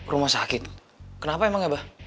rumah sakit kenapa emang abah